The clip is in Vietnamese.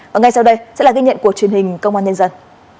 và ngay sau đây sẽ là ghi nhận của truyền hình công an nhân dân